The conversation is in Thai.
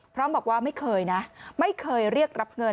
พร้อมบอกว่าไม่เคยนะไม่เคยเรียกรับเงิน